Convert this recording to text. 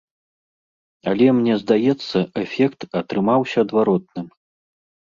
Але мне здаецца эфект атрымаўся адваротным.